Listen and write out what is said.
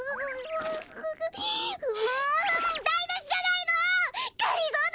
もうだいなしじゃないの！